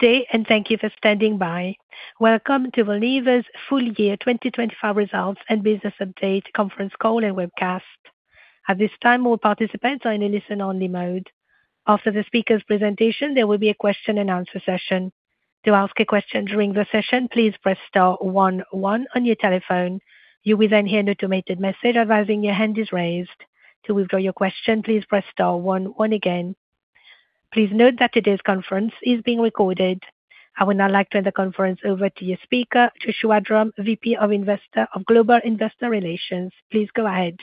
Good day, and thank you for standing by. Welcome to Valneva's full year 2025 results and business update conference call and webcast. At this time, all participants are in a listen-only mode. After the speaker's presentation, there will be a question-and-answer session. To ask a question during the session, please press star one one on your telephone. You will then hear an automated message advising your hand is raised. To withdraw your question, please press star one one again. Please note that today's conference is being recorded. I would now like to hand the conference over to your speaker, Joshua Drumm, VP of Global Investor Relations. Please go ahead.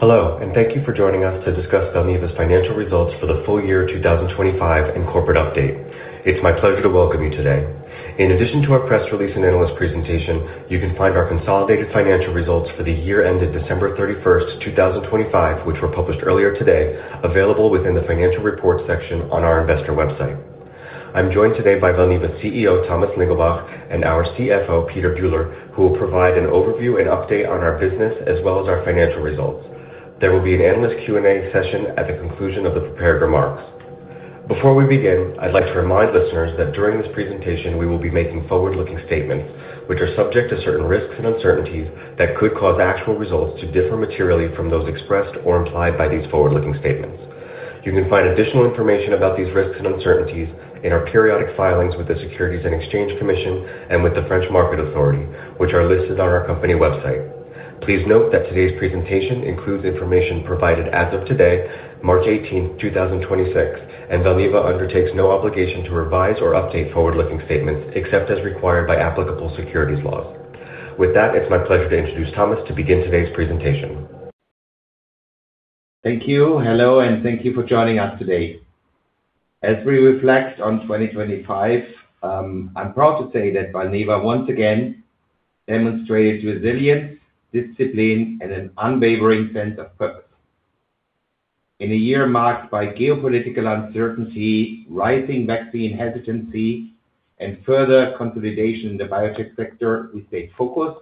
Hello, and thank you for joining us to discuss Valneva's financial results for the full year 2025 and corporate update. It's my pleasure to welcome you today. In addition to our press release and analyst presentation, you can find our consolidated financial results for the year ended December 31st, 2025, which were published earlier today, available within the financial report section on our investor website. I'm joined today by Valneva's CEO, Thomas Lingelbach, and our CFO, Peter Bühler, who will provide an overview and update on our business as well as our financial results. There will be an analyst Q&A session at the conclusion of the prepared remarks. Before we begin, I'd like to remind listeners that during this presentation we will be making forward-looking statements, which are subject to certain risks and uncertainties that could cause actual results to differ materially from those expressed or implied by these forward-looking statements. You can find additional information about these risks and uncertainties in our periodic filings with the Securities and Exchange Commission and with the Autorité des marchés financiers, which are listed on our company website. Please note that today's presentation includes information provided as of today, March 18th, 2026, and Valneva undertakes no obligation to revise or update forward-looking statements except as required by applicable securities laws. With that, it's my pleasure to introduce Thomas to begin today's presentation. Thank you. Hello, and thank you for joining us today. As we reflect on 2025, I'm proud to say that Valneva once again demonstrated resilience, discipline, and an unwavering sense of purpose. In a year marked by geopolitical uncertainty, rising vaccine hesitancy, and further consolidation in the biotech sector, we stayed focused,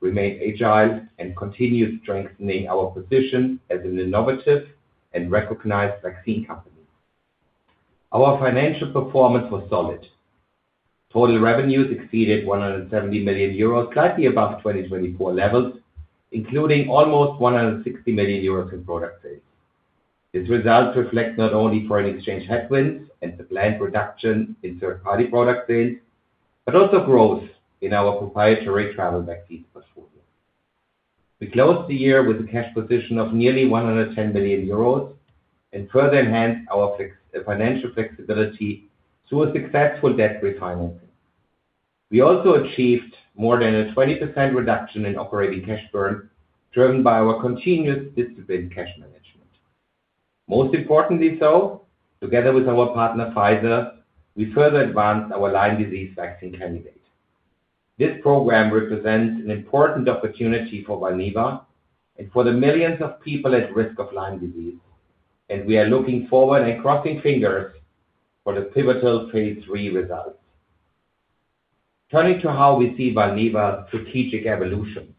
remained agile, and continued strengthening our position as an innovative and recognized vaccine company. Our financial performance was solid. Total revenues exceeded 170 million euros, slightly above 2024 levels, including almost 160 million euros in product sales. This result reflects not only foreign exchange headwinds and supply reduction in third party product sales, but also growth in our proprietary travel vaccine portfolio. We closed the year with a cash position of nearly 110 million euros and further enhanced our financial flexibility through a successful debt refinancing. We also achieved more than a 20% reduction in operating cash burn, driven by our continuous disciplined cash management. Most importantly, together with our partner, Pfizer, we further advanced our Lyme disease vaccine candidate. This program represents an important opportunity for Valneva and for the millions of people at risk of Lyme disease, and we are looking forward and crossing fingers for the pivotal phase III results. Turning to how we see Valneva's strategic evolution.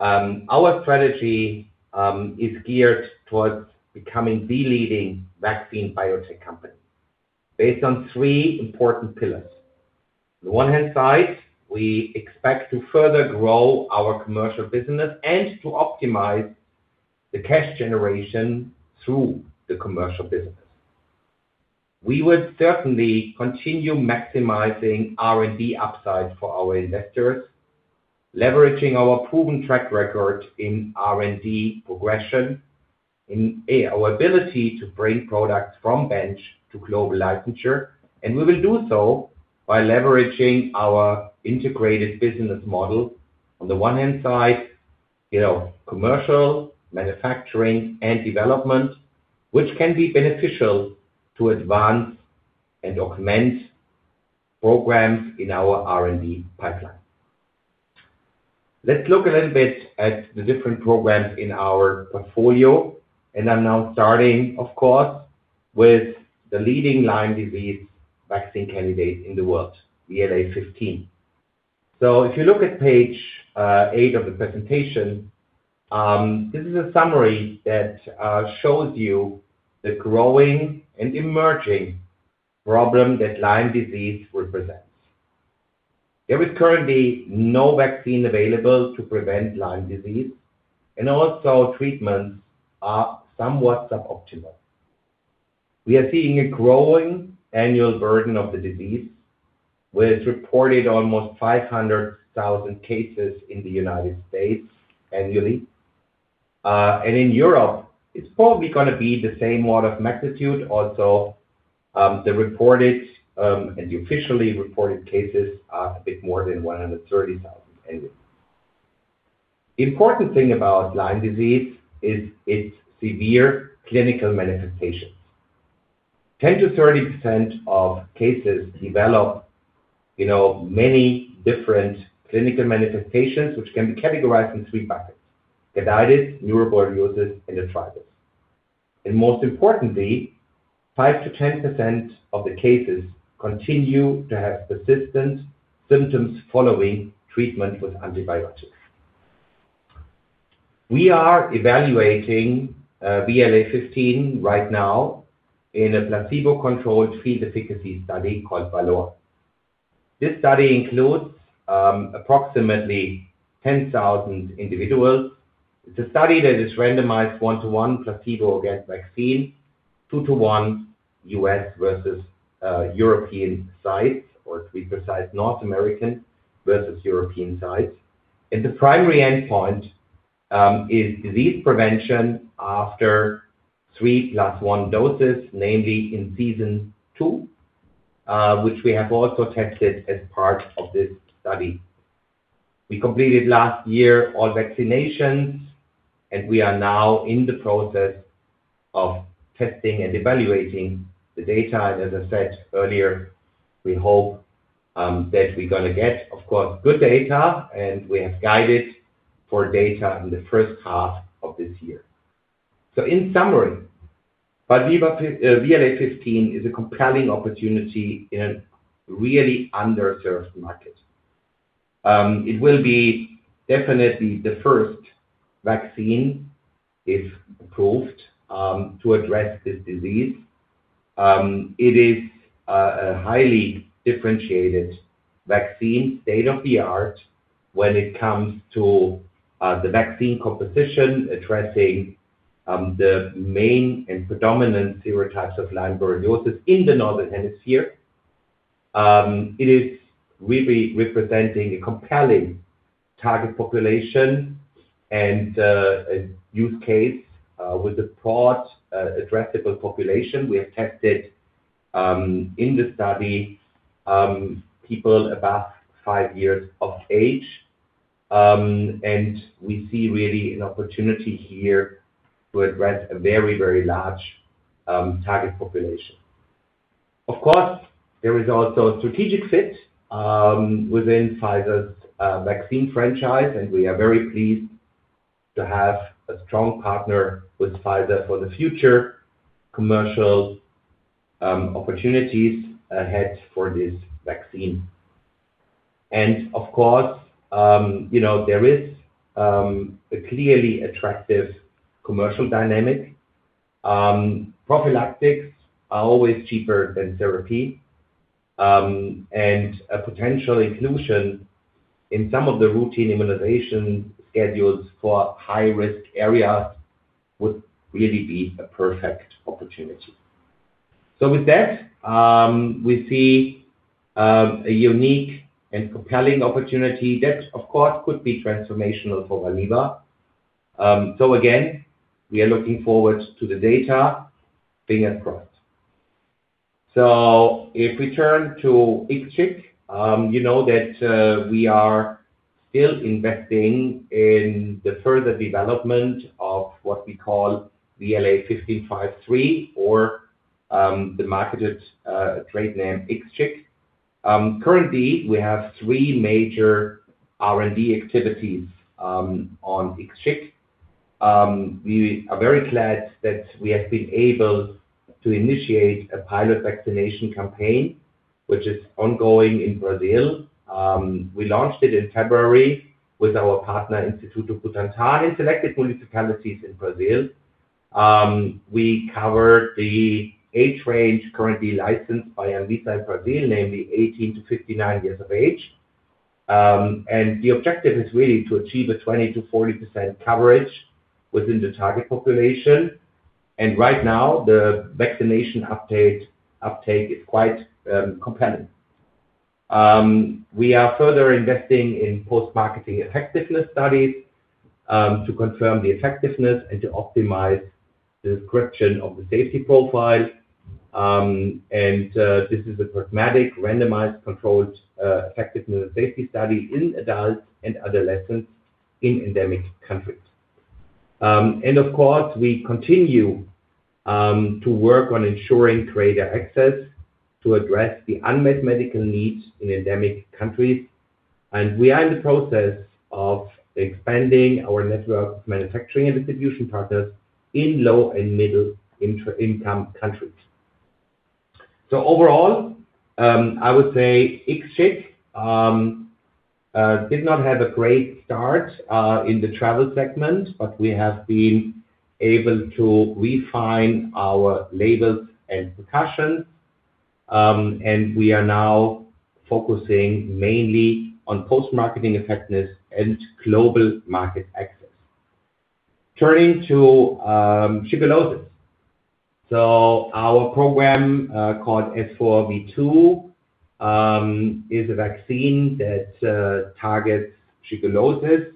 Our strategy is geared toward becoming the leading vaccine biotech company based on three important pillars. On the one hand side, we expect to further grow our commercial business and to optimize the cash generation through the commercial business. We will certainly continue maximizing R&D upside for our investors, leveraging our proven track record in R&D progression, in our ability to bring products from bench to global licensure. We will do so by leveraging our integrated business model. On the one hand side, you know, commercial, manufacturing and development, which can be beneficial to advance and augment programs in our R&D pipeline. Let's look a little bit at the different programs in our portfolio, and I'm now starting, of course, with the leading Lyme disease vaccine candidate in the world, VLA15. If you look at page 8 of the presentation, this is a summary that shows you the growing and emerging problem that Lyme disease represents. There is currently no vaccine available to prevent Lyme disease, and also treatments are somewhat suboptimal. We are seeing a growing annual burden of the disease, with reported almost 500,000 cases in the United States annually. In Europe, it's probably gonna be the same order of magnitude also. The reported and officially reported cases are a bit more than 130,000 annually. The important thing about Lyme disease is its severe clinical manifestation. 10%-30% of cases develop, you know, many different clinical manifestations, which can be categorized in three buckets, carditis, neuroborreliosis, and arthritis. Most importantly, 5%-10% of the cases continue to have persistent symptoms following treatment with antibiotics. We are evaluating VLA15 right now in a placebo-controlled field efficacy study called VALOR. This study includes approximately 10,000 individuals. It's a study that is randomized one-to-one placebo against vaccine, two-to-one U.S. versus European sites, or to be precise, North American versus European sites. The primary endpoint is disease prevention after 3 + 1 doses, namely in season two, which we have also tested as part of this study. We completed last year all vaccinations, and we are now in the process of testing and evaluating the data. As I said earlier, we hope that we're gonna get, of course, good data, and we have guided for data in the first half of this year. In summary, VLA15 is a compelling opportunity in a really underserved market. It will be definitely the first vaccine, if approved, to address this disease. It is a highly differentiated vaccine, state-of-the-art when it comes to the vaccine composition, addressing the main and predominant serotypes of Lyme borreliosis in the Northern Hemisphere. It is really representing a compelling target population and a use case with a broad addressable population. We have tested in the study people above five years of age. We see really an opportunity here to address a very, very large target population. Of course, there is also a strategic fit within Pfizer's vaccine franchise, and we are very pleased to have a strong partner with Pfizer for the future commercial opportunities ahead for this vaccine. Of course, you know, there is a clearly attractive commercial dynamic. Prophylactics are always cheaper than therapy. A potential inclusion in some of the routine immunization schedules for high-risk areas would really be a perfect opportunity. With that, we see a unique and compelling opportunity that of course could be transformational for Valneva. Again, we are looking forward to the data being approved. If we turn to IXCHIQ, you know that we are still investing in the further development of what we call VLA 1553, or the marketed trade name IXCHIQ. Currently, we have three major R&D activities on IXCHIQ. We are very glad that we have been able to initiate a pilot vaccination campaign, which is ongoing in Brazil. We launched it in February with our partner, Instituto Butantan, in selected municipalities in Brazil. We covered the age range currently licensed by Anvisa in Brazil, namely 18-59 years of age. The objective is really to achieve a 20%-40% coverage within the target population. Right now, the vaccination uptake is quite compelling. We are further investing in post-marketing effectiveness studies to confirm the effectiveness and to optimize the description of the safety profile. This is a pragmatic, randomized, controlled effectiveness and safety study in adults and adolescents in endemic countries. Of course, we continue to work on ensuring greater access to address the unmet medical needs in endemic countries. We are in the process of expanding our network of manufacturing and distribution partners in low and middle income countries. Overall, I would say IXCHIQ did not have a great start in the travel segment, but we have been able to refine our labels and precautions. We are now focusing mainly on post-marketing effectiveness and global market access. Turning to shigellosis. Our program called S4V2 is a vaccine that targets shigellosis.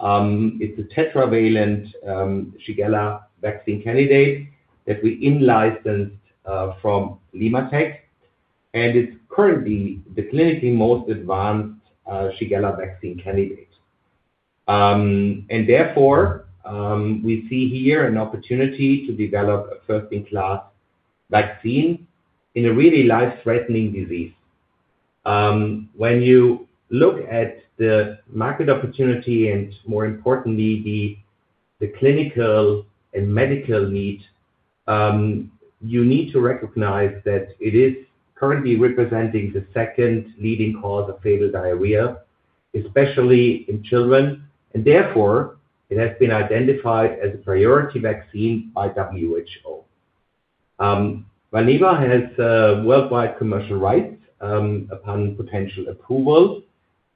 It's a tetravalent Shigella vaccine candidate that we in-licensed from LimmaTech, and it's currently the clinically most advanced Shigella vaccine candidate. Therefore, we see here an opportunity to develop a first-in-class vaccine in a really life-threatening disease. When you look at the market opportunity and more importantly, the clinical and medical need, you need to recognize that it is currently representing the second leading cause of fatal diarrhea, especially in children. Therefore, it has been identified as a priority vaccine by WHO. Valneva has worldwide commercial rights upon potential approval.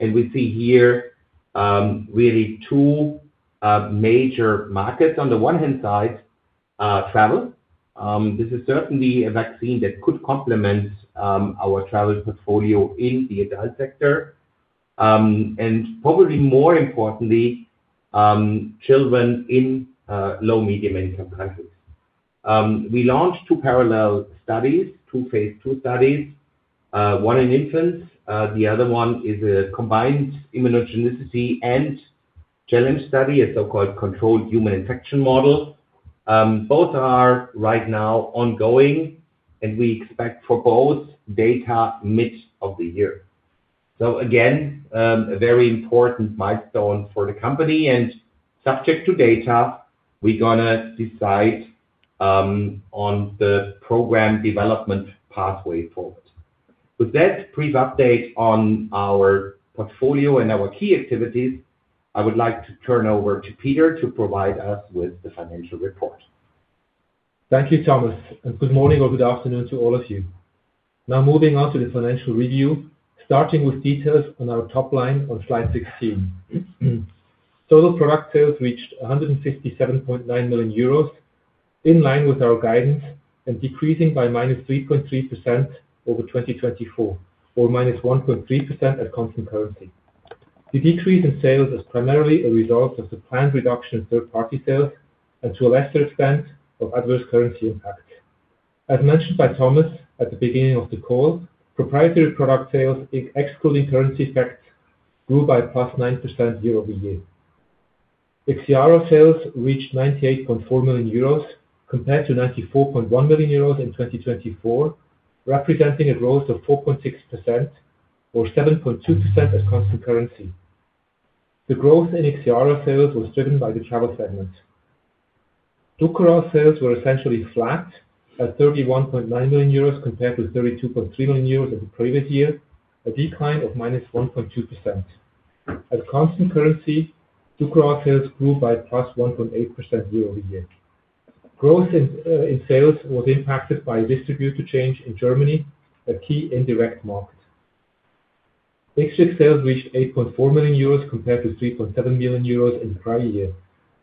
We see here really two major markets. On the one hand side, travel. This is certainly a vaccine that could complement our travel portfolio in the adult sector. Probably more importantly, children in low and medium-income countries. We launched two parallel studies, two phase II studies, one in infants, the other one is a combined immunogenicity and challenge study, a so-called controlled human infection model. Both are right now ongoing, and we expect for both data mid of the year. Again, a very important milestone for the company and subject to data, we're gonna decide on the program development pathway forward. With that brief update on our portfolio and our key activities, I would like to turn over to Peter to provide us with the financial report. Thank you, Thomas, and good morning or good afternoon to all of you. Now moving on to the financial review, starting with details on our top line on slide 16. Total product sales reached 157.9 million euros, in line with our guidance, and decreasing by -3.3% over 2024 or -1.3% at constant currency. The decrease in sales is primarily a result of the planned reduction in third-party sales and to a lesser extent, of adverse currency impact. As mentioned by Thomas at the beginning of the call, proprietary product sales, excluding currency effect, grew by +9% year-over-year. IXIARO sales reached 98.4 million euros compared to 94.1 million euros in 2024, representing a growth of 4.6% or 7.2% at constant currency. The growth in IXIARO sales was driven by the travel segment. Dukoral sales were essentially flat at 31.9 million euros compared to 32.3 million euros in the previous year, a decline of -1.2%. At constant currency, Dukoral sales grew by +1.8% year-over-year. Growth in sales was impacted by a distributor change in Germany, a key indirect market. IXCHIQ sales reached 8.4 million euros compared to 3.7 million euros in the prior year.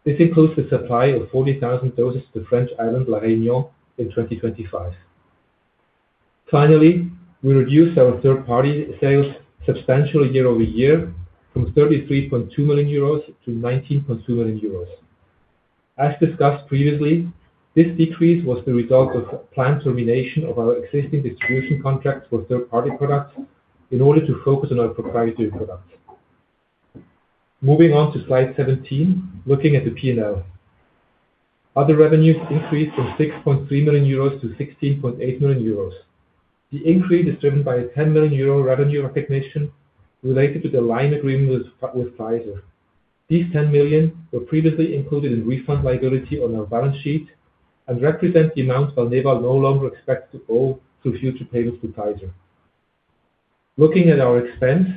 This includes the supply of 40,000 doses to the French island La Réunion in 2025. Finally, we reduced our third-party sales substantially year-over-year from 33.2 million-19.2 million euros. As discussed previously, this decrease was the result of planned termination of our existing distribution contracts for third-party products in order to focus on our proprietary products. Moving on to slide 17, looking at the P&L. Other revenues increased from 6.3 million-16.8 million euros. The increase is driven by a 10 million euro revenue recognition related to the license agreement with Pfizer. These ten million were previously included in refund liability on our balance sheet and represent the amount Valneva no longer expects to owe through future payments to Pfizer. Looking at our expense,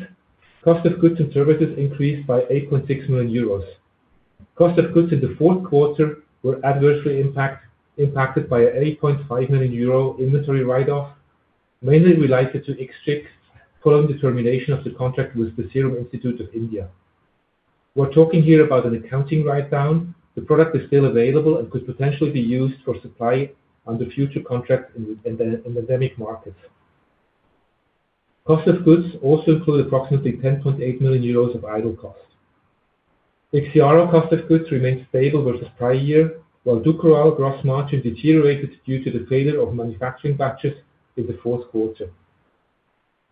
cost of goods and services increased by 8.6 million euros. Cost of goods in the fourth quarter were adversely impacted by a 8.5 million euro inventory write-off, mainly related to Zika, following the termination of the contract with the Serum Institute of India. We're talking here about an accounting write-down. The product is still available and could potentially be used for supply under future contracts in the endemic markets. Cost of goods also include approximately 10.8 million euros of idle costs. IXIARO cost of goods remains stable versus prior year, while Dukoral gross margin deteriorated due to the failure of manufacturing batches in the fourth quarter.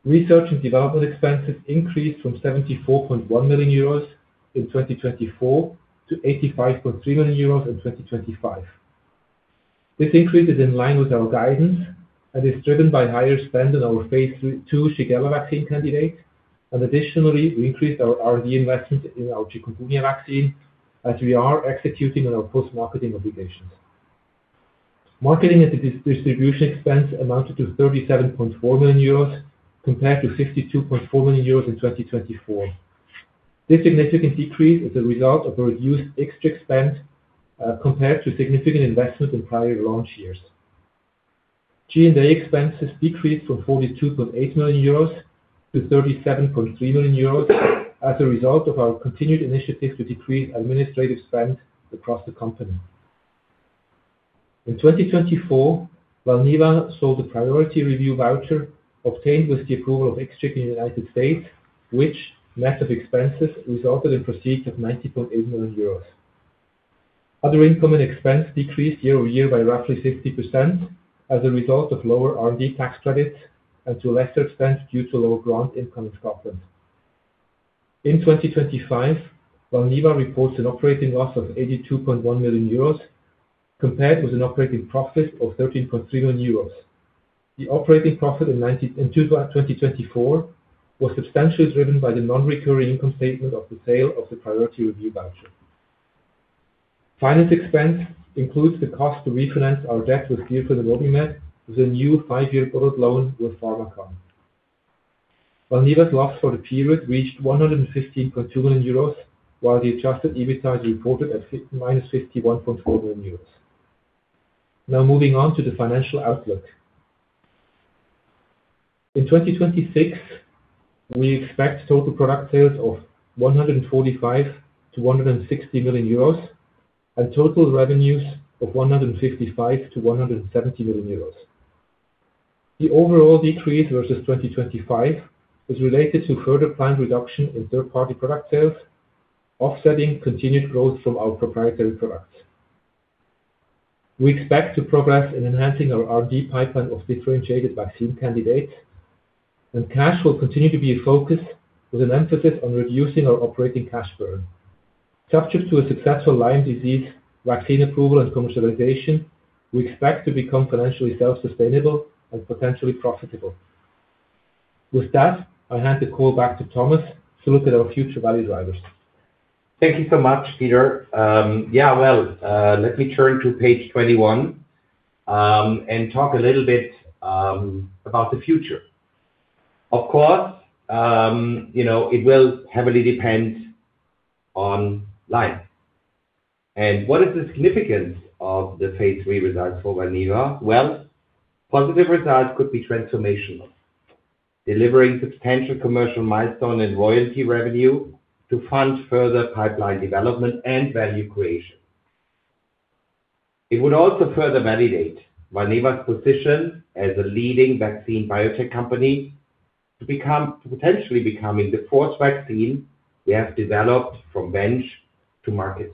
Research and development expenses increased from 74.1 million euros in 2024 to 85.3 million euros in 2025. This increase is in line with our guidance and is driven by higher spend on our phase II Shigella vaccine candidate. Additionally, we increased our R&D investment in our chikungunya vaccine as we are executing on our post-marketing obligations. Marketing and distribution expense amounted to 37.4 million euros compared to 62.4 million euros in 2024. This significant decrease is a result of our reduced IXCHIQ spend compared to significant investments in prior launch years. G&A expenses decreased from 42.8 million-37.3 million euros as a result of our continued initiatives to decrease administrative spend across the company. In 2024, Valneva sold a priority review voucher obtained with the approval of IXCHIQ in the United States, which net of expenses resulted in proceeds of 90.8 million euros. Other income and expense decreased year-over-year by roughly 60% as a result of lower R&D tax credits and to a lesser extent, due to lower grant income in Scotland. In 2025, Valneva reports an operating loss of 82.1 million euros compared with an operating profit of 13.3 million euros. The operating profit in 2024 was substantially driven by the non-recurring income statement of the sale of the priority review voucher. Finance expense includes the cost to refinance our debt with BioPharma Credit with a new five-year product loan with Pharmakon. Valneva's loss for the period reached 115.2 million euros, while the Adjusted EBITDA is reported at -51.4 million euros. Now moving on to the financial outlook. In 2026, we expect total product sales of 145 million-160 million euros, and total revenues of 155 million-170 million euros. The overall decrease versus 2025 is related to further planned reduction in third-party product sales, offsetting continued growth from our proprietary products. We expect to progress in enhancing our R&D pipeline of differentiated vaccine candidates, and cash will continue to be a focus with an emphasis on reducing our operating cash burn. Subject to a successful Lyme disease vaccine approval and commercialization, we expect to become financially self-sustainable and potentially profitable. With that, I'll hand the call back to Thomas to look at our future value drivers. Thank you so much, Peter. Yeah, well, let me turn to page 21 and talk a little bit about the future. Of course, you know, it will heavily depend on Lyme and what is the significance of the phase III results for Valneva. Well, positive results could be transformational, delivering substantial commercial milestone and royalty revenue to fund further pipeline development and value creation. It would also further validate Valneva's position as a leading vaccine biotech company, potentially becoming the fourth vaccine we have developed from bench to market.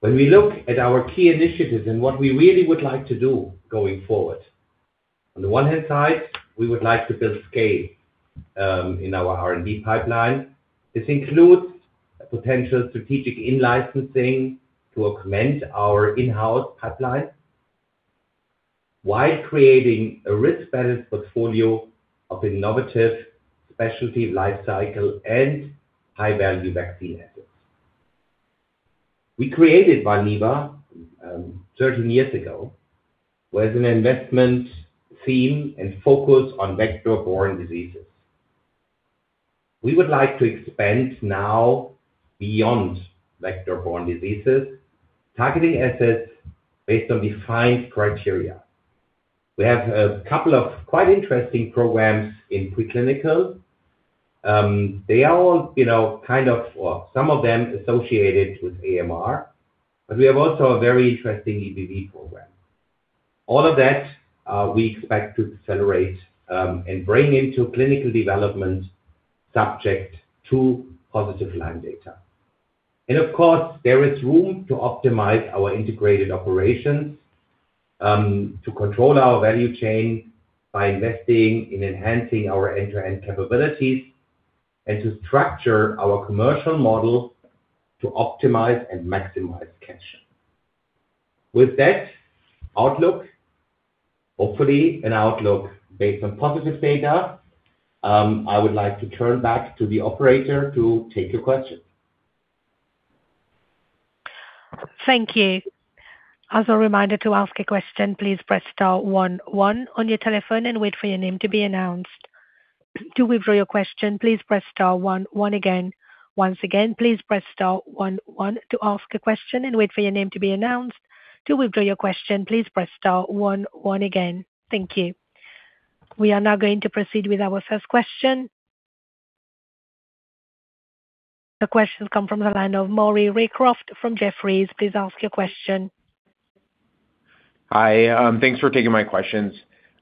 When we look at our key initiatives and what we really would like to do going forward, on the one hand side, we would like to build scale in our R&D pipeline. This includes a potential strategic in-licensing to augment our in-house pipeline, while creating a risk-balanced portfolio of innovative specialty life cycle and high-value vaccine assets. We created Valneva 13 years ago, with an investment theme and focus on vector-borne diseases. We would like to expand now beyond vector-borne diseases, targeting assets based on defined criteria. We have a couple of quite interesting programs in preclinical. They are all, you know, well, some of them associated with AMR, but we have also a very interesting EBV program. All of that, we expect to accelerate and bring into clinical development subject to positive Lyme data. Of course, there is room to optimize our integrated operations to control our value chain by investing in enhancing our end-to-end capabilities and to structure our commercial model to optimize and maximize cash. With that outlook, hopefully an outlook based on positive data, I would like to turn back to the operator to take your questions. Thank you. As a reminder to ask a question, please press star one one on your telephone and wait for your name to be announced. To withdraw your question, please press star one one again. Once again, please press star one one to ask a question and wait for your name to be announced. To withdraw your question, please press star one one again. Thank you. We are now going to proceed with our first question. The question comes from the line of Maury Raycroft from Jefferies. Please ask your question. Hi. Thanks for taking my questions.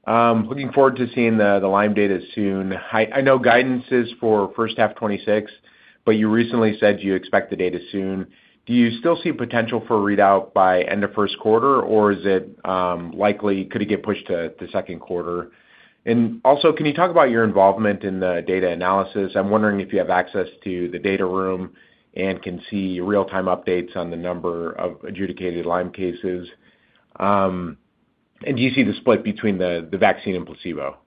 Looking forward to seeing the Lyme data soon. I know guidance is for first half 2026, but you recently said you expect the data soon. Do you still see potential for a readout by end of first quarter, or is it likely could it get pushed to the second quarter? And also, can you talk about your involvement in the data analysis? I'm wondering if you have access to the data room and can see real-time updates on the number of adjudicated Lyme cases. And do you see the split between the vaccine and placebo?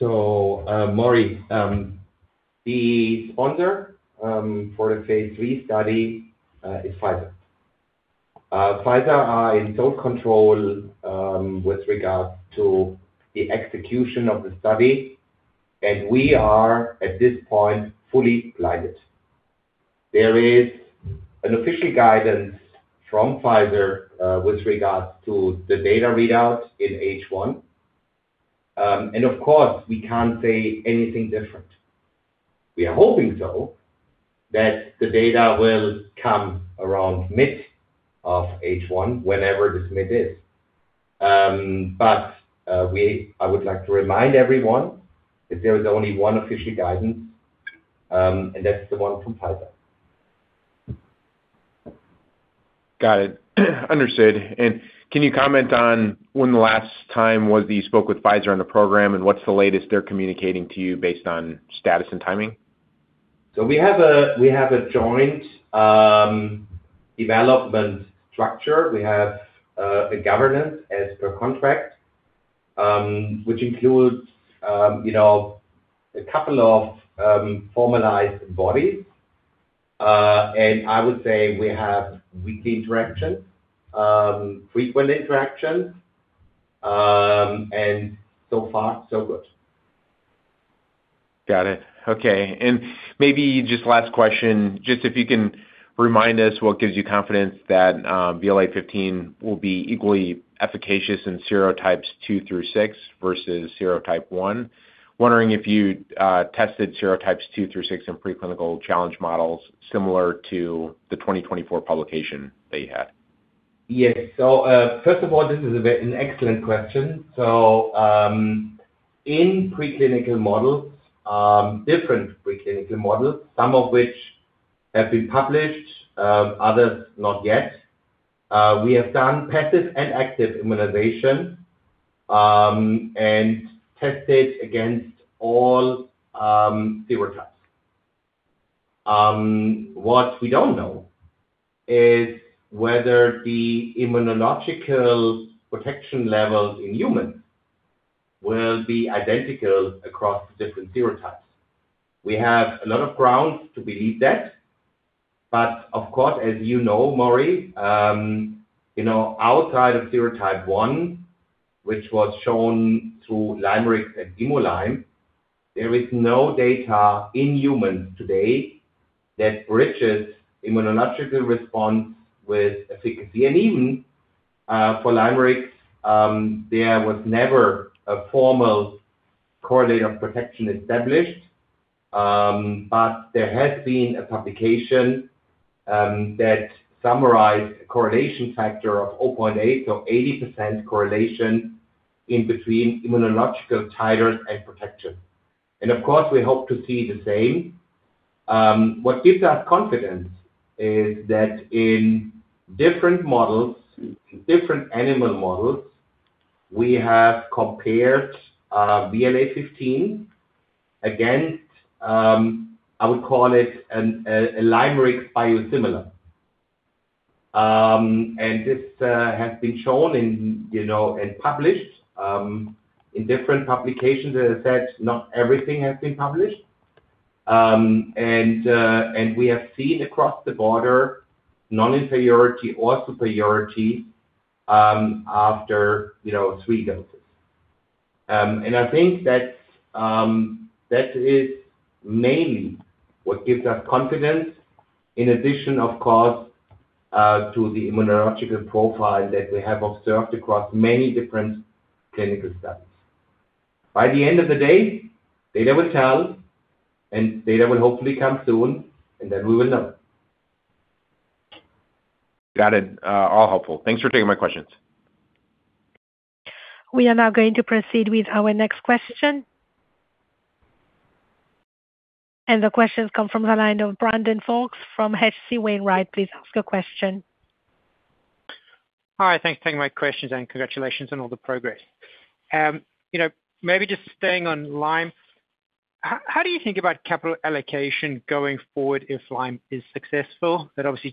Maury, the sponsor for the phase III study is Pfizer. Pfizer are in total control with regards to the execution of the study, and we are, at this point, fully blinded. There is an official guidance from Pfizer with regards to the data readout in H1. Of course, we can't say anything different. We are hoping though, that the data will come around mid of H1, whenever this mid is. I would like to remind everyone that there is only one official guidance, and that's the one from Pfizer. Got it. Understood. Can you comment on when the last time was that you spoke with Pfizer on the program, and what's the latest they're communicating to you based on status and timing? We have a joint development structure. We have a governance as per contract, which includes you know, a couple of formalized bodies. I would say we have weekly interaction, frequent interaction, and so far, so good. Got it. Okay. Maybe just last question, just if you can remind us what gives you confidence that VLA15 will be equally efficacious in serotypes 2 through 6 versus serotype 1? Wondering if you tested serotypes 2 through 6 in preclinical challenge models similar to the 2024 publication that you had. Yes. First of all, this is an excellent question. In preclinical models, different preclinical models, some of which have been published, others not yet. We have done passive and active immunization, and tested against all serotypes. What we don't know is whether the immunological protection levels in humans will be identical across different serotypes. We have a lot of grounds to believe that, but of course, as you know, Maury, you know, outside of serotype one, which was shown through LYMErix and ImuLyme, there is no data in humans today that bridges immunological response with efficacy. Even for LYMErix, there was never a formal correlate of protection established. There has been a publication that summarized a correlation factor of 0.8, so 80% correlation between immunological titers and protection. Of course, we hope to see the same. What gives us confidence is that in different models, different animal models, we have compared VLA15 against, I would call it an LYMErix biosimilar. And this has been shown in, you know, and published in different publications. As I said, not everything has been published. And we have seen across the board non-inferiority or superiority after, you know, three doses. And I think that that is mainly what gives us confidence in addition, of course, to the immunological profile that we have observed across many different clinical studies. By the end of the day, data will tell, and data will hopefully come soon, and then we will know. Got it. All helpful. Thanks for taking my questions. We are now going to proceed with our next question. The question comes from the line of Brandon Folkes from H.C. Wainwright. Please ask your question. Hi. Thanks for taking my questions, and congratulations on all the progress. You know, maybe just staying on Lyme, how do you think about capital allocation going forward if Lyme is successful? That obviously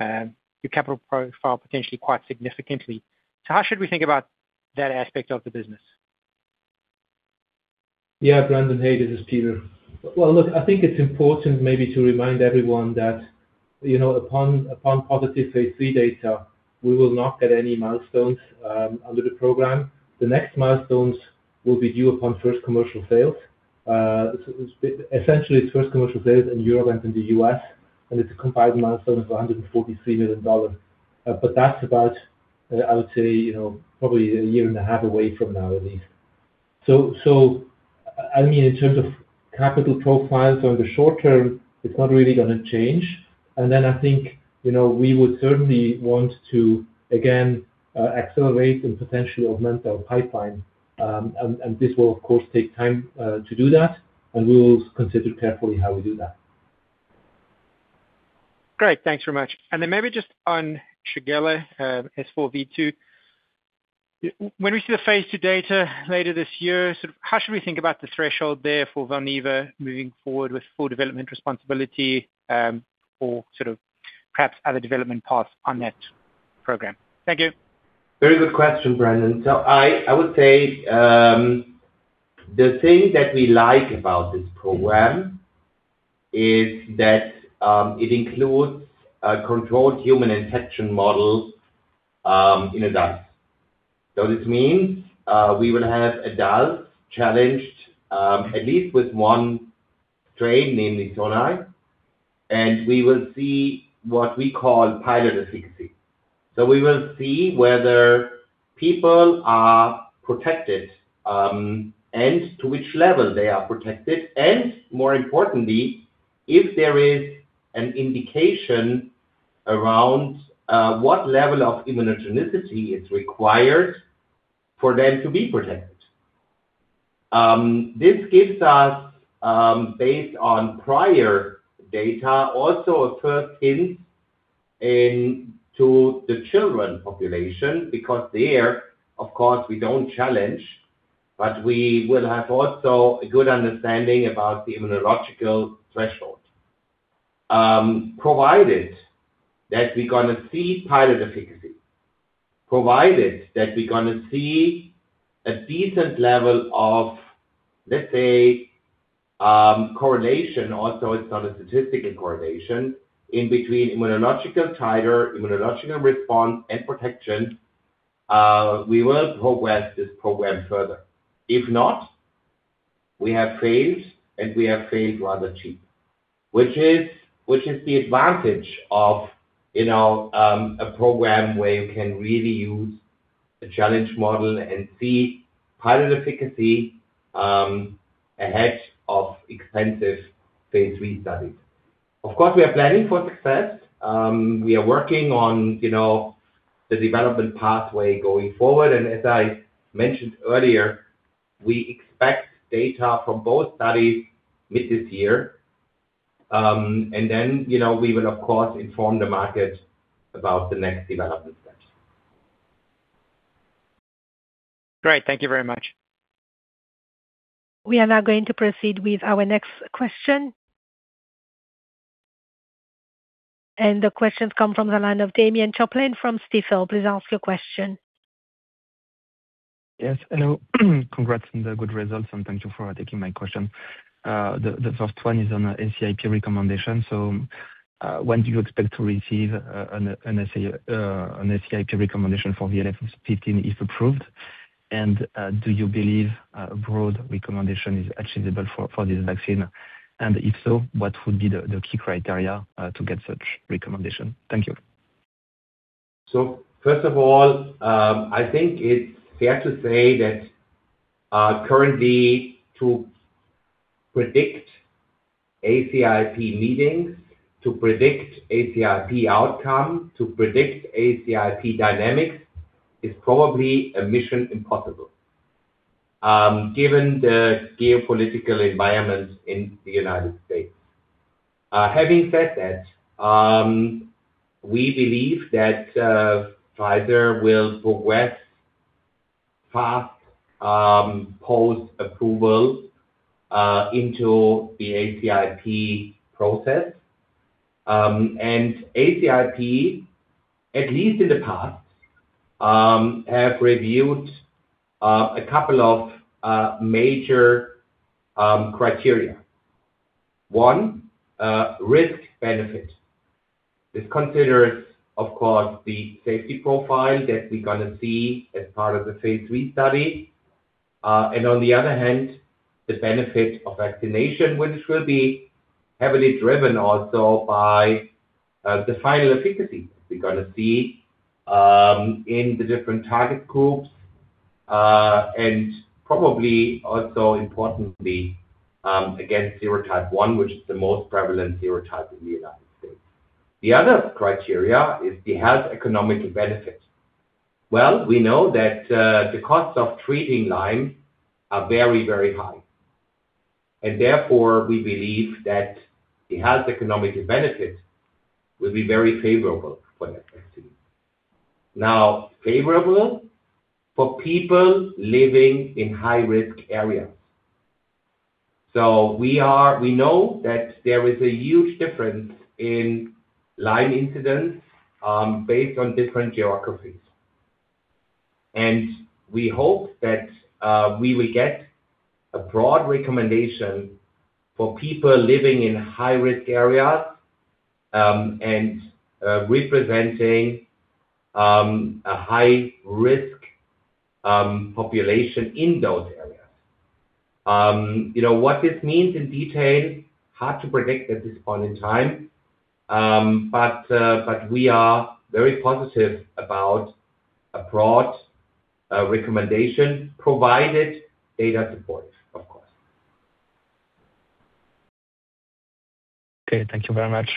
changes your capital profile potentially quite significantly. How should we think about that aspect of the business? Yeah. Brandon, hey, this is Peter. Well, look, I think it's important maybe to remind everyone that, you know, upon positive phase III data, we will not get any milestones under the program. The next milestones will be due upon first commercial sales. Essentially, it's first commercial sales in Europe and in the U.S., and it's a combined milestone of $143 million. But that's about, I would say, you know, probably a year and a half away from now at least. I mean, in terms of capital profiles over the short term, it's not really gonna change. Then I think, you know, we would certainly want to again accelerate and potentially augment our pipeline. And this will of course take time to do that, and we'll consider carefully how we do that. Great. Thanks very much. Maybe just on Shigella, S4V2. When we see the phase II data later this year, sort of how should we think about the threshold there for Valneva moving forward with full development responsibility, or sort of perhaps other development paths on that program? Thank you. Very good question, Brandon. I would say the thing that we like about this program is that it includes a controlled human infection model in adults. This means we will have adults challenged at least with one strain, namely Sonnei, and we will see what we call pilot efficacy. We will see whether people are protected and to which level they are protected, and more importantly, if there is an indication around what level of immunogenicity is required for them to be protected. This gives us, based on prior data, also a first hint into the children population, because there, of course, we don't challenge, but we will have also a good understanding about the immunological threshold. Provided that we're gonna see pilot efficacy, provided that we're gonna see a decent level of, let's say, correlation also, it's not a statistical correlation, in between immunological titer, immunological response, and protection, we will progress this program further. If not, we have failed, and we have failed rather cheap. Which is the advantage of, you know, a program where you can really use a challenge model and see pilot efficacy, ahead of expensive phase III studies. Of course, we are planning for success. We are working on, you know, the development pathway going forward. As I mentioned earlier, we expect data from both studies mid this year. You know, we will of course inform the market about the next development steps. Great. Thank you very much. We are now going to proceed with our next question. The question comes from the line of Damien Choplain from Stifel. Please ask your question. Yes, hello. Congrats on the good results, and thank you for taking my question. The first one is on ACIP recommendation. When do you expect to receive an ACIP recommendation for VLA15 if approved? And do you believe a broad recommendation is achievable for this vaccine? And if so, what would be the key criteria to get such recommendation? Thank you. First of all, I think it's fair to say that currently to predict ACIP meetings, to predict ACIP outcomes, to predict ACIP dynamics, is probably a mission impossible, given the geopolitical environment in the United States. Having said that, we believe that Pfizer will progress fast post-approval into the ACIP process. ACIP, at least in the past, have reviewed a couple of major criteria. One, risk-benefit. This considers, of course, the safety profile that we're gonna see as part of the phase III study. On the other hand, the benefit of vaccination, which will be heavily driven also by the final efficacy we're gonna see in the different target groups. Probably also importantly, against serotype 1, which is the most prevalent serotype in the United States. The other criteria is the health economic benefit. Well, we know that the costs of treating Lyme are very, very high and therefore, we believe that the health economic benefit will be very favorable for the vaccine. Now favorable for people living in high-risk areas. We know that there is a huge difference in Lyme incidence based on different geographies. We hope that we will get a broad recommendation for people living in high-risk areas and representing a high-risk population in those areas. You know, what this means in detail, hard to predict at this point in time. But we are very positive about a broad recommendation, provided data supports, of course. Okay, thank you very much.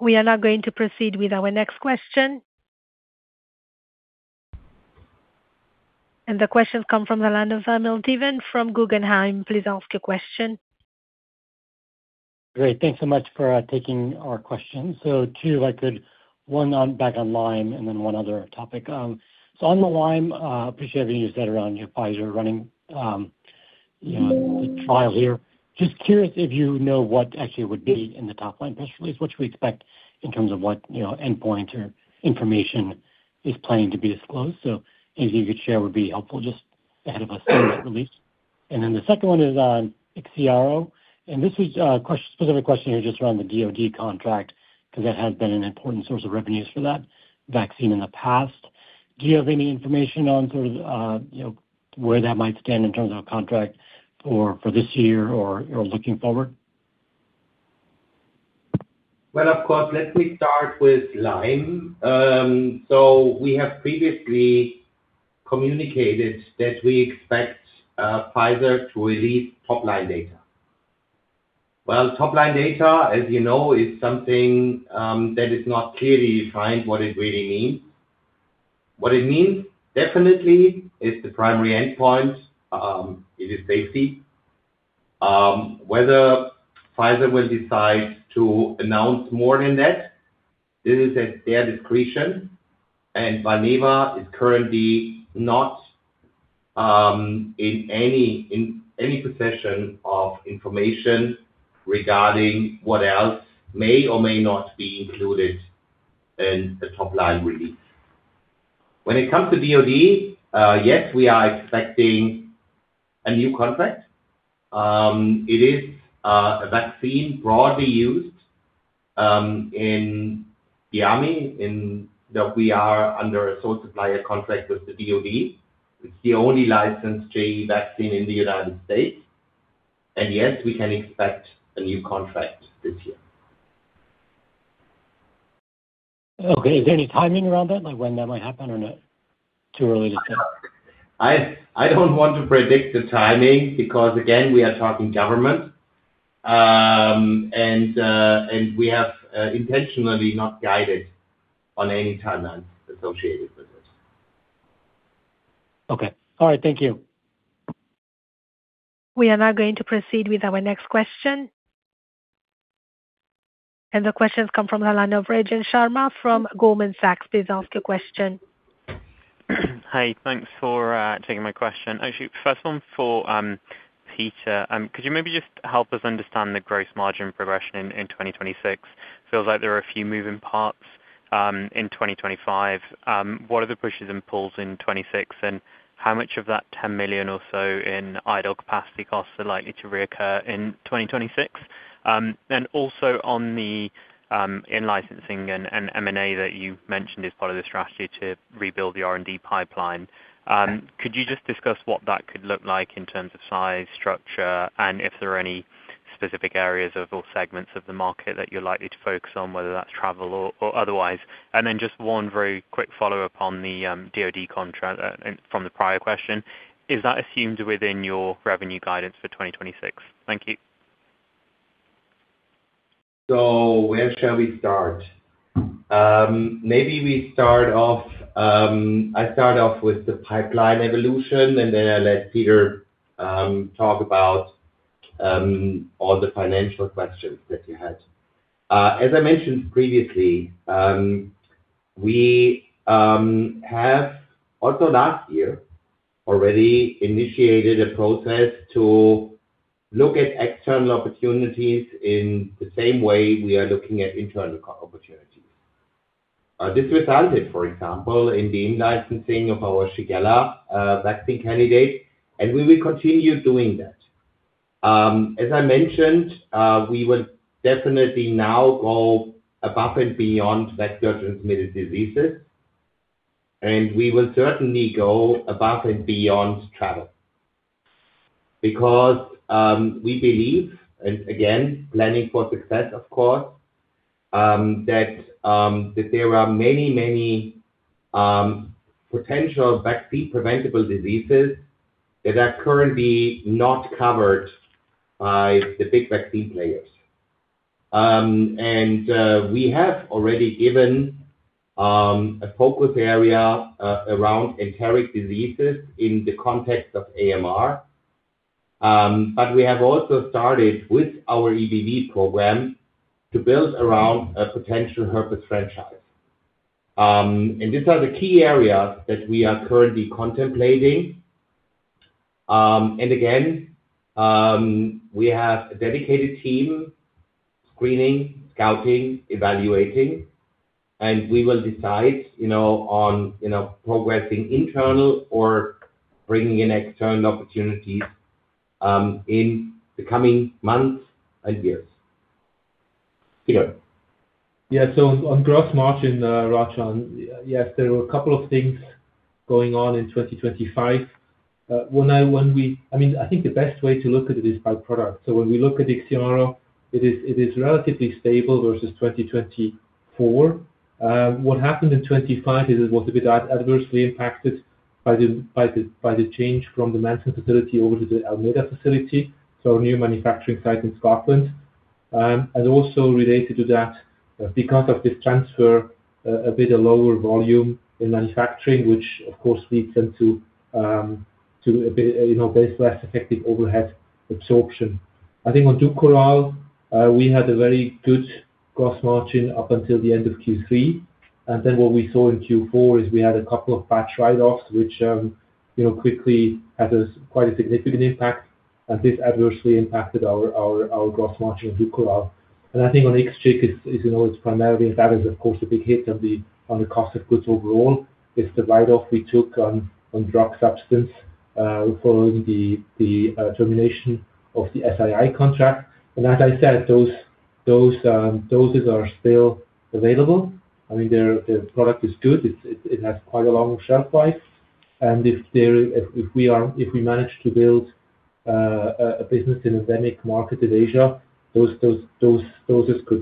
We are now going to proceed with our next question. The question comes from the line of Ami Fadia from Guggenheim. Please ask your question. Great. Thanks so much for taking our question. Two if I could, one on back on Lyme and then one other topic. On the Lyme, appreciate everything you said around Pfizer running, you know, the trial here. Just curious if you know what actually would be in the top line press release, what should we expect in terms of what, you know, endpoint or information is planning to be disclosed. Anything you could share would be helpful just ahead of the release. The second one is on IXIARO. This is a question-specific question here just around the DoD contract, because that has been an important source of revenues for that vaccine in the past. Do you have any information on sort of, you know, where that might stand in terms of contract for this year or looking forward? Well, of course. Let me start with Lyme. We have previously communicated that we expect Pfizer to release top-line data. Well, top-line data, as you know, is something that is not clearly defined what it really means. What it means definitely is the primary endpoint. It is safety. Whether Pfizer will decide to announce more than that, this is at their discretion, and Valneva is currently not in any possession of information regarding what else may or may not be included in the top-line release. When it comes to DoD, yes, we are expecting a new contract. It is a vaccine broadly used in the Army in that we are under a sole supplier contract with the DoD. It's the only licensed JE vaccine in the United States. Yes, we can expect a new contract this year. Okay. Is there any timing around that? Like when that might happen or no? Too early to tell. I don't want to predict the timing because, again, we are talking government. We have intentionally not guided on any timeline associated with this. Okay. All right. Thank you. We are now going to proceed with our next question. The question's come from the line of Rajan Sharma from Goldman Sachs. Please ask your question. Hi. Thanks for taking my question. Actually, first one for Peter. Could you maybe just help us understand the gross margin progression in 2026? Feels like there are a few moving parts in 2025. What are the pushes and pulls in 2026, and how much of that 10 million or so in idle capacity costs are likely to reoccur in 2026? Also on the in-licensing and M&A that you mentioned as part of the strategy to rebuild the R&D pipeline, could you just discuss what that could look like in terms of size, structure, and if there are any specific areas of all segments of the market that you're likely to focus on, whether that's travel or otherwise? Just one very quick follow-up on the DoD contract, and from the prior question, is that assumed within your revenue guidance for 2026? Thank you. Where shall we start? Maybe we start off, I start off with the pipeline evolution, and then I let Peter talk about all the financial questions that you had. As I mentioned previously, we have also last year already initiated a process to look at external opportunities in the same way we are looking at internal co-opportunities. This resulted, for example, in the in-licensing of our Shigella vaccine candidate, and we will continue doing that. As I mentioned, we will definitely now go above and beyond vector transmitted diseases, and we will certainly go above and beyond travel. Because we believe, and again, planning for success, of course, that there are many, many potential vaccine preventable diseases that are currently not covered by the big vaccine players. We have already given a focus area around enteric diseases in the context of AMR. We have also started with our EBV program to build around a potential herpes franchise. These are the key areas that we are currently contemplating. We have a dedicated team screening, scouting, evaluating, and we will decide, you know, on, you know, progressing internal or bringing in external opportunities in the coming months and years. Peter. Yeah. On gross margin, Rajan, yes, there were a couple of things going on in 2025. I mean, I think the best way to look at it is by product. When we look at IXIARO, it is relatively stable versus 2024. What happened in 2025 is it was a bit adversely impacted by the change from the Manson building over to the Almeida facility, so a new manufacturing site in Scotland. And also related to that, because of this transfer, a bit of lower volume in manufacturing, which of course leads to a bit, you know, less effective overhead absorption. I think on Dukoral, we had a very good gross margin up until the end of Q3. Then what we saw in Q4 is we had a couple of batch write-offs, which, you know, quickly had a quite a significant impact. This adversely impacted our gross margin in Dukoral. I think on IXIARO, you know, it's primarily, and that is of course a big hit on the cost of goods overall. It's the write-off we took on drug substance following the termination of the SII contract. As I said, those doses are still available. I mean, the product is good. It has quite a long shelf life. If we manage to build a business in endemic market in Asia, those could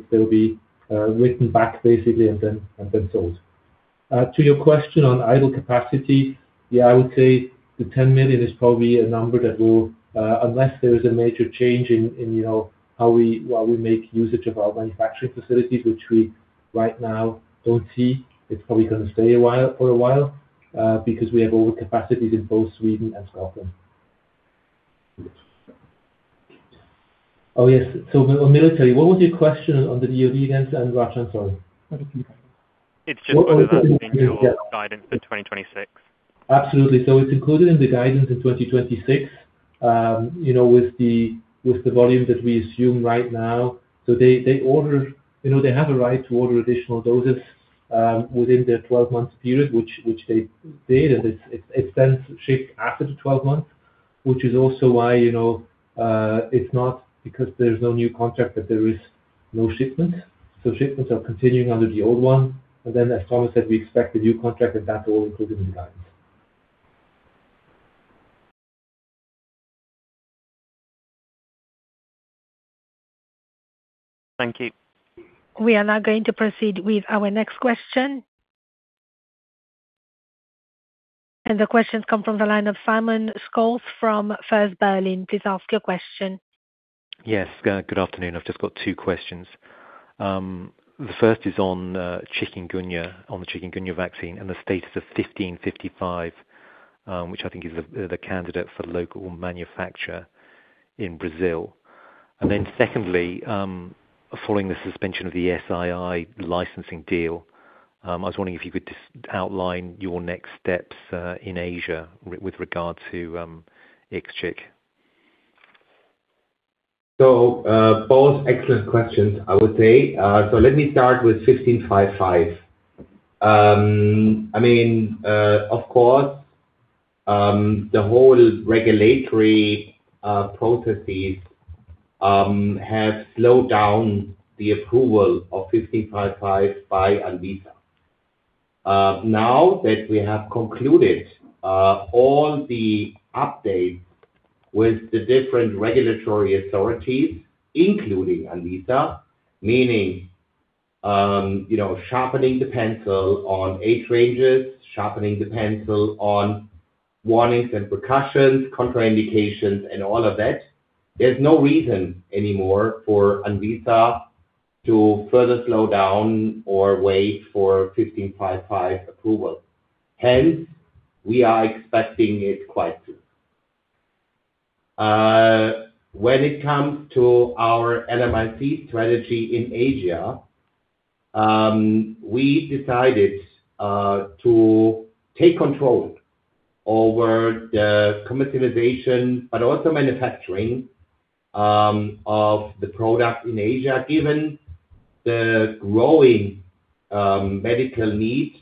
still be written back basically and then sold. To your question on idle capacity. Yeah, I would say the 10 million is probably a number that will, unless there is a major change in, you know, how we will make use of our manufacturing facilities, which we right now don't see, it's probably gonna stay a while, for a while, because we have over capacities in both Sweden and Scotland. Oh, yes. On military, what was your question on the DoD again? Sorry. It's just whether that's in your guidance for 2026. Absolutely. It's included in the guidance in 2026, you know, with the volume that we assume right now. They order, you know, they have a right to order additional doses within their 12-month period which they did, and it's then shipped after the 12 months, which is also why, you know, it's not because there's no new contract that there is no shipment. Shipments are continuing under the old one. As Thomas said, we expect the new contract and that will include a new guidance. Thank you. We are now going to proceed with our next question. The questions come from the line of Simon Scholes from First Berlin. Please ask your question. Yes. Good afternoon. I've just got two questions. The first is on chikungunya, on the chikungunya vaccine and the status of VLA1553, which I think is the candidate for local manufacture in Brazil. Secondly, following the suspension of the SII licensing deal, I was wondering if you could just outline your next steps in Asia with regard to IXCHIQ. Both excellent questions, I would say. Let me start with VLA1553. I mean, of course, the whole regulatory processes have slowed down the approval of VLA1553 by Anvisa. Now that we have concluded all the updates with the different regulatory authorities, including Anvisa, meaning, you know, sharpening the pencil on age ranges, sharpening the pencil on warnings and precautions, contraindications and all of that, there's no reason anymore for Anvisa to further slow down or wait for VLA1553 approval. Hence, we are expecting it quite soon. When it comes to our LMIC strategy in Asia, we decided to take control over the commercialization but also manufacturing of the product in Asia, given the growing medical needs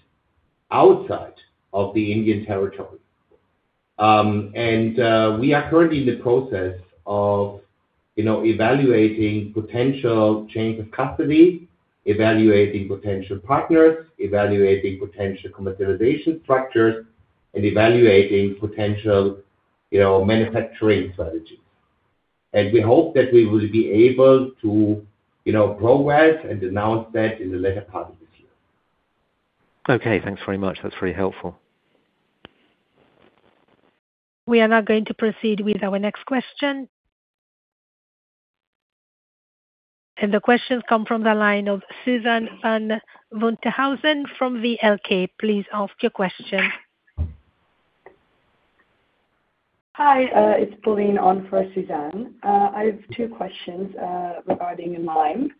outside of the Indian territory. We are currently in the process of, you know, evaluating potential change of custody, evaluating potential partners, evaluating potential commercialization structures, and evaluating potential, you know, manufacturing strategies. We hope that we will be able to, you know, progress and announce that in the latter part of this year. Okay, thanks very much. That's very helpful. We are now going to proceed with our next question. The questions come from the line of Susanne van der Laan from VLK. Please ask your question. Hi, it's Pauline on for Susanne. I have two questions regarding Lyme.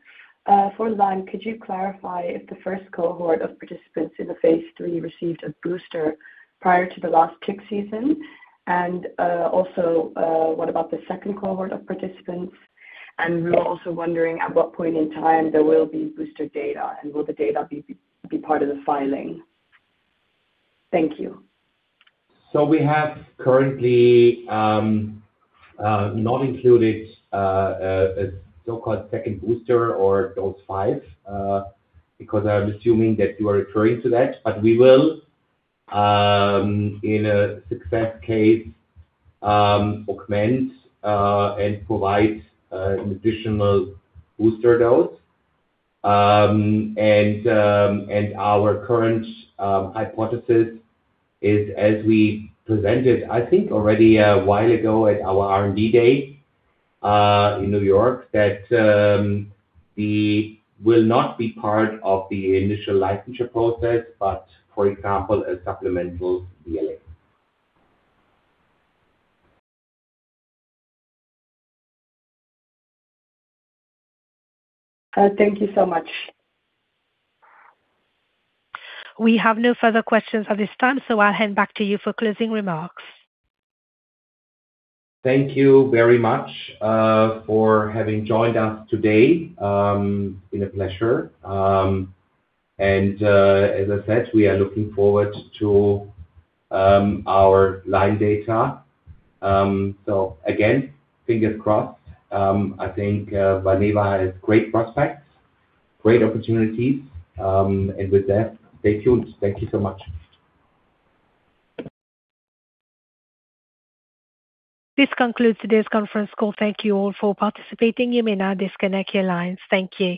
For Lyme, could you clarify if the first cohort of participants in the phase III received a booster prior to the last tick season? Also, what about the second cohort of participants? We're also wondering at what point in time there will be booster data, and will the data be part of the filing? Thank you. We have currently not included a so-called second booster or dose five because I'm assuming that you are referring to that. We will in a success case augment and provide an additional booster dose. Our current hypothesis is, as we presented, I think already a while ago at our R&D day in New York, that we will not be part of the initial licensure process, but for example, a supplemental BLA. Thank you so much. We have no further questions at this time, so I'll hand back to you for closing remarks. Thank you very much for having joined us today. Been a pleasure. As I said, we are looking forward to our Lyme data. Again, fingers crossed. I think Valneva has great prospects, great opportunities. With that, stay tuned. Thank you so much. This concludes today's conference call. Thank you all for participating. You may now disconnect your lines. Thank you.